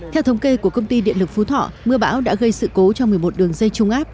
theo thống kê của công ty điện lực phú thọ mưa bão đã gây sự cố cho một mươi một đường dây trung áp